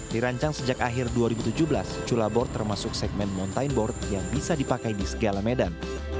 dirancang sejak akhir dua ribu tujuh belas cula board termasuk segmen mountain board yang bisa dipakai di segala medan